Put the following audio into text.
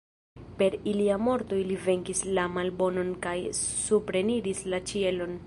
Per ilia morto ili venkis la malbonon kaj supreniris la ĉielon.